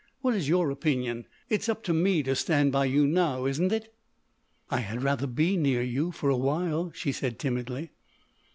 What is your opinion? It's up to me to stand by you now, isn't it?" "I had rather be near you—for a while," she said timidly.